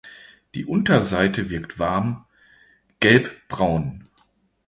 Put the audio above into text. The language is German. Die Unterseite wirkt warm gelbbraun.